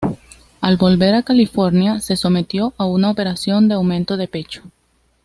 Al volver a California, se sometió a una operación de aumento de pecho.